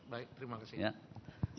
baik terima kasih